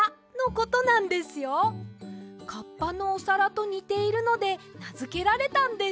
カッパのおさらとにているのでなづけられたんです。